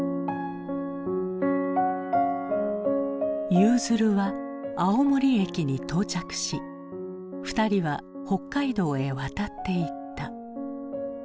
ゆうづるは青森駅に到着し２人は北海道へ渡っていった。